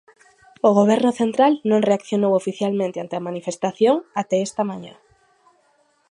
O Goberno central non reaccionou oficialmente ante a manifestación até esta mañá.